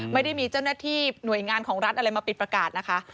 ไม่ได้มีเจ้าหน้าที่หน่วยงานของรัฐอะไรมาปิดประกาศนะคะ